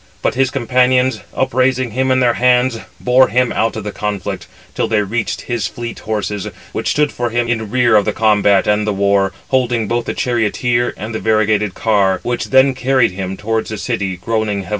But his companions, up raising him in their hands, bore him out of the conflict, till they reached his fleet horses, which stood for him in rear of the combat and the war, holding both the charioteer and the variegated car; which then carried him towards the city, groaning heavily.